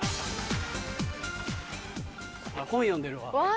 本読んでるわ。